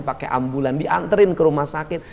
pakai ambulans diantri ke rumah sakit